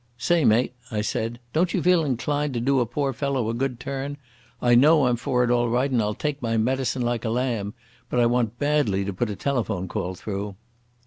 "Say, mate," I said, "don't you feel inclined to do a poor fellow a good turn? I know I'm for it all right, and I'll take my medicine like a lamb. But I want badly to put a telephone call through."